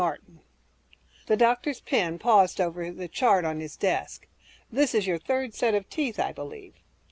Martin The doctor's pen paused over the chart on his desk, "This is your third set of teeth, I believe?"